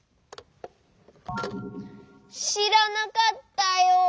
しらなかったよ。